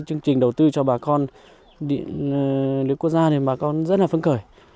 cái chương trình đầu tư cho bà con điện nước quốc gia thì bà con rất là phấn khởi